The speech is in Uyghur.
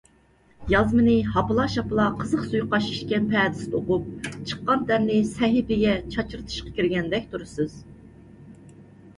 يازمىنى ھاپىلا - شاپىلا قىزىق سۇيۇقئاش ئىچكەن پەدىسىدە ئوقۇپ، چىققان تەرنى سەھىپىگە چاچرىتىشقا كىرگەندەك تۇرىسىز.